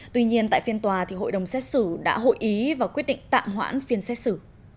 tuy nhiên tại phiên tòa hội đồng xét xử đã hội ý và quyết định tạm hoãn phiên xét xử